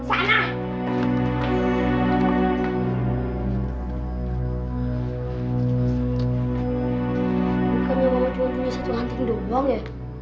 bukannya mama cuma punya satu anting doang ya